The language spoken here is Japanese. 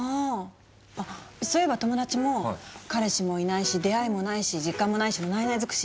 あっそういえば友達も「彼氏もいないし出会いもないし時間もないしのないない尽くし。